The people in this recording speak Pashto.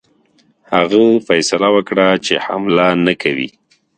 هغه فیصله وکړه چې حمله نه کوي.